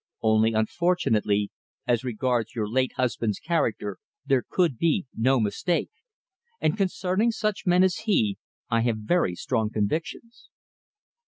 Only, unfortunately, as regards your late husband's character there could be no mistake, and concerning such men as he I have very strong convictions."